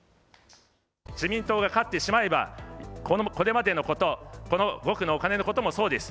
自民党が勝ってしまえば、これまでのこと、この５区のお金のこともそうです。